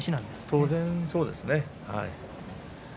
当然そうですね。